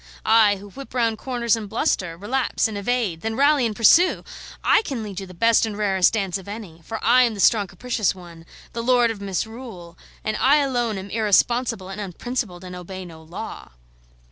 I, who whip round corners and bluster, relapse and evade, then rally and pursue! I can lead you the best and rarest dance of any; for I am the strong capricious one, the lord of misrule, and I alone am irresponsible and unprincipled, and obey no law."